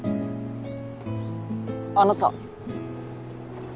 あのさ。